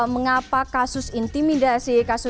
mengapa kasus intimidasi